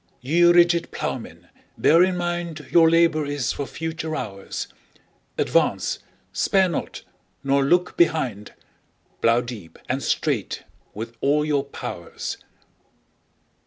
Ye rigid Ploughmen, bear in mind Your labour is for future hours: Advance—spare not—nor look behind— 15 Plough deep and straight with all your powers!